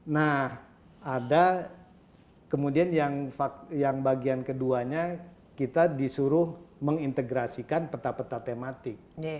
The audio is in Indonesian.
nah ada kemudian yang bagian keduanya kita disuruh mengintegrasikan peta peta tematik